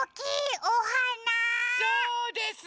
そうです！